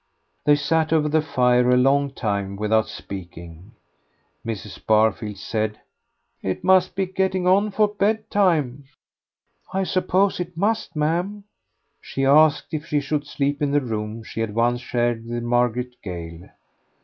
They sat over the fire a long time without speaking. Mrs. Barfield said "It must be getting on for bedtime." "I suppose it must, ma'am." She asked if she should sleep in the room she had once shared with Margaret Gale. Mrs.